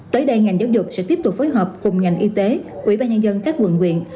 tới đây ngành giáo dục sẽ tiếp tục phối hợp cùng ngành y tế ủy ban nhân dân các quận quyện